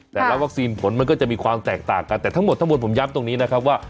วัคซีนผลมันก็จะมีความแตกต่างกันแต่ทั้งหมดทั้งหมดผมย้ำตรงนี้นะครับว่า